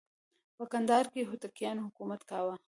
په کندهار کې هوتکیانو حکومت کاوه.